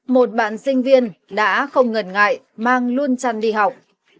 một bạn sinh viên đã không ngần ngại mang luôn chăn đi học